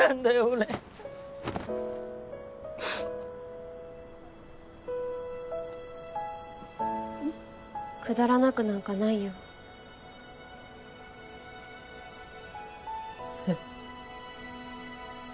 俺くだらなくなんかないよえっ？